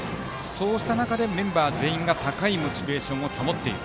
そうした中でメンバー全員が高いモチベーションを保っている。